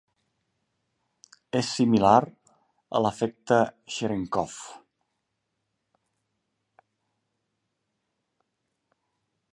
És similar a l'efecte Cherenkov.